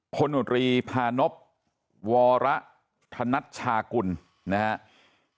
คนนรีพานพวรถนัดชากุลนะฮะ